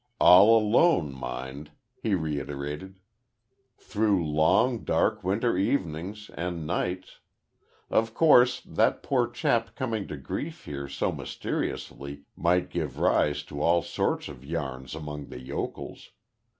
All alone, mind," he reiterated, "through long, dark winter evenings and nights. Of course, that poor chap coming to grief here so mysteriously, might give rise to all sorts of yarns among the yokels.